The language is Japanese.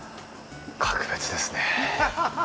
格別ですねぇ。